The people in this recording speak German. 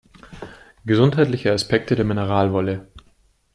Gesundheitliche Aspekte der Mineralwolle